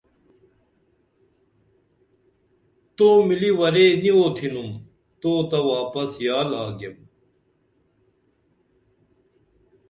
تو ملی ورے نی اُوتِھنُم تو تہ واپس یال آگیم